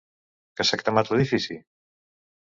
Què s’ha cremat l’edifici?